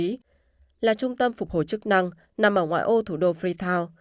sierra leone là trung tâm phục hồi chức năng nằm ở ngoại ô thủ đô freetown